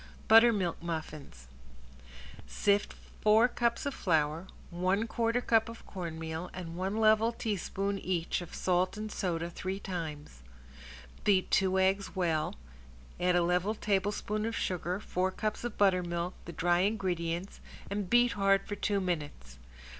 ~BUTTERMILK MUFFINS~ Sift four cups of flour, one quarter cup of cornmeal, and one level teaspoon each of salt and soda three times. Beat two eggs well, add a level tablespoon of sugar, four cups of buttermilk, the dry ingredients, and beat hard for two minutes.